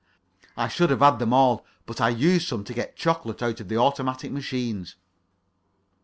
I should have had them all, but I used some to get chocolates out of the automatic machines.